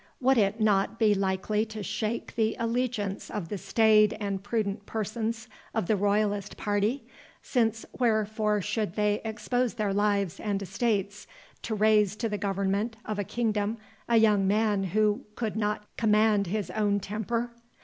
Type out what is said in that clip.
Would it not be likely to shake the allegiance of the staid and prudent persons of the royalist party, since wherefore should they expose their lives and estates to raise to the government of a kingdom a young man who could not command his own temper?